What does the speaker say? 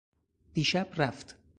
دیشب رفت.